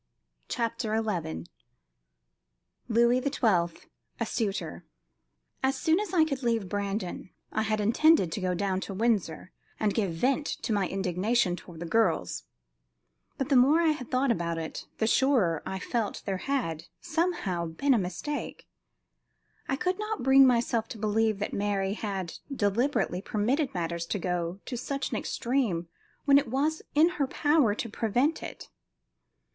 CHAPTER XI Louis XII a Suitor As soon as I could leave Brandon, I had intended to go down to Windsor and give vent to my indignation toward the girls, but the more I thought about it, the surer I felt there had, somehow, been a mistake. I could not bring myself to believe that Mary had deliberately permitted matters to go to such an extreme when it was in her power to prevent it.